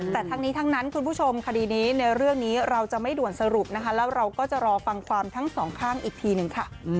แต่ทั้งนี้ทั้งนั้นคุณผู้ชมคดีนี้ในเรื่องนี้เราจะไม่ด่วนสรุปนะคะแล้วเราก็จะรอฟังความทั้งสองข้างอีกทีหนึ่งค่ะ